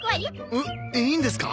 えっいいんですか？